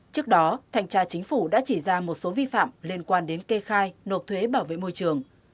trước đó thanh tra chính phủ đã chỉ ra một số vi phạm liên quan đến kê khai nộp thuế bảo vệ môi trường